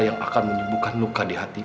yang akan menyembunyikan luka di hatiku